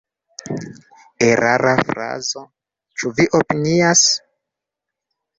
Erara frazo, ĉu vi opinias?